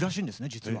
実は。